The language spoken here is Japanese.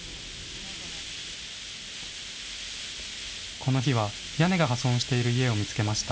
この日は、屋根が破損している家を見つけました。